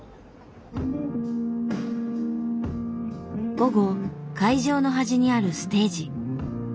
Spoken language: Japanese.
午後会場の端にあるステージ。